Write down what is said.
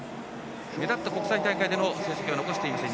目立った国際大会での成績は残していません。